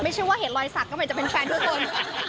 ไม่ใช่ว่าเห็นรอยสักก็หมายจะเป็นแฟนทั่วตน